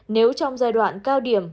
nếu trong giai đoạn cao điểm